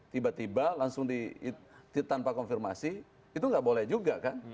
tiba tiba langsung tanpa konfirmasi itu nggak boleh juga kan